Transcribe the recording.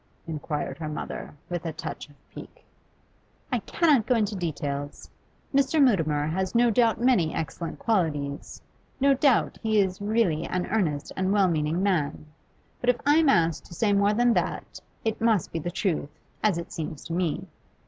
inquired her mother, with a touch of pique. 'I cannot go into details. Mr. Mutimer has no doubt many excellent qualities; no doubt he is really an earnest and a well meaning man. But if I am asked to say more than that, it must be the truth as it seems to me.